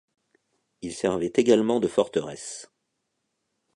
Il servait également de forteresse.